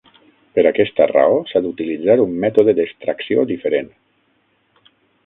Per aquesta raó, s'ha d'utilitzar un mètode d'extracció diferent.